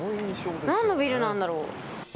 何のビルなんだろう。